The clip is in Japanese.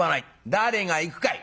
「誰が行くかい」。